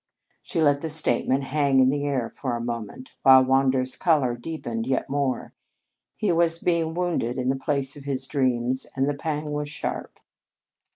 She let the statement hang in the air for a moment, while Wander's color deepened yet more. He was being wounded in the place of his dreams and the pang was sharp.